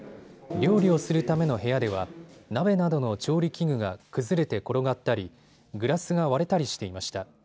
料理をするための部屋では鍋などの調理器具が崩れて転がったり、グラスが割れたりしていました。